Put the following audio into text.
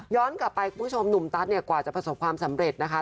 กลับไปคุณผู้ชมหนุ่มตัสเนี่ยกว่าจะประสบความสำเร็จนะคะ